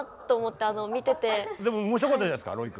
でも面白かったじゃないですかロイ君。